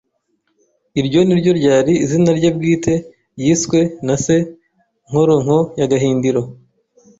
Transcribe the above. iryo niryo ryari izina rye bwite yiswe na se Nkoronko ya Gahindiro